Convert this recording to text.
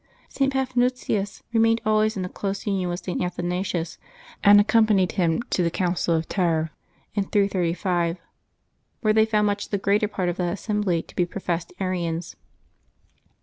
St. Paphnutius remained always in a close union with St. Athanasius, and accompanied him to the Council of Tyre, in 335, where they found much the greater part of that assembly to be professed Arians.